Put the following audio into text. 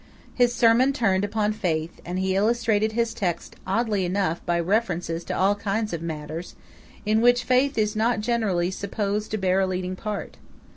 His sermon turned upon Faith, and he illustrated his text oddly enough by references to all kinds of matters, in which Faith is not generally supposed to bear a leading part.